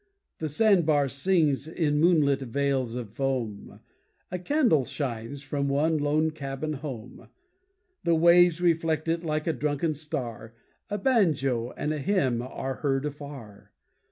The sandbar sings in moonlit veils of foam. A candle shines from one lone cabin home. The waves reflect it like a drunken star. A banjo and a hymn are heard afar.